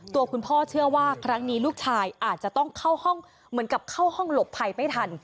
ตัวคุณพ่อเชื่อว่าครั้งนี้ลูกชายอาจจะต้องเข้าห้องเหมือนกับเข้าห้องหลบภัยไม่ทัน